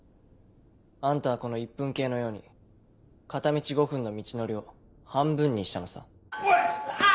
あんたはこの１分計のように片道５分の道のりを半分にしたのさ。